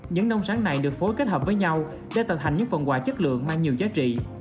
những nông sản này được phối kết hợp với nhau để tạo hành những phần quà chất lượng mang nhiều giá trị